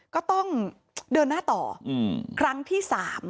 ก็ต้องเดินหน้าต่อครั้งที่๓